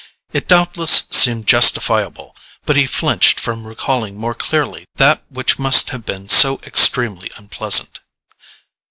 It doubtless seemed justifiable, but he flinched from recalling more clearly that which must have been so extremely unpleasant.